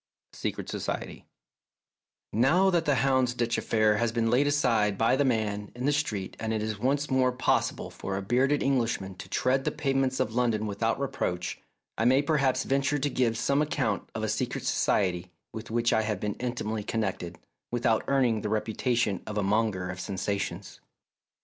A SECRET SOCIETY Now that the Houndsditch affair has been laid aside by the man in the street and it is once more possible for a bearded English man to tread the pavements of London without reproach, I may perhaps venture to give some account of a secret society with which I have been intimately connected, without earning the reputation of a monger of sensations.